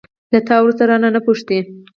له تا وروسته، رانه، نه پوښتي